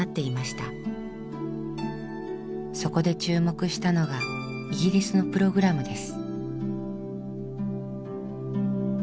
そこで注目したのがイギリスのプログラムです。